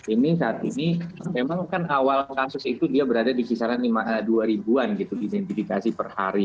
ini saat ini memang kan awal kasus itu dia berada di kisaran dua ribu an gitu diidentifikasi per hari